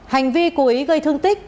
hành vi cô ấy gây thương tích